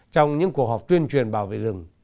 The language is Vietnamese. trong những cuộc họp tuyên truyền bảo vệ rừng